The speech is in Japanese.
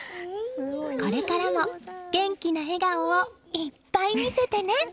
これからも元気な笑顔をいっぱい見せてね。